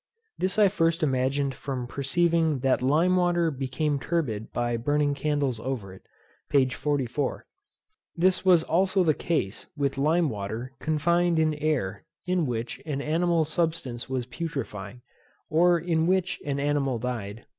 This I first imagined from perceiving that lime water became turbid by burning candles over it, p. 44. This was also the case with lime water confined in air in which an animal substance was putrefying, or in which an animal died, p.